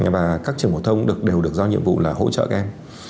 và các trường phổ thông đều được do nhiệm vụ là hỗ trợ em